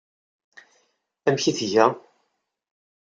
Amek ay tga?